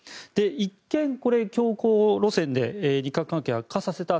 一見、強硬路線で日韓関係を悪化させた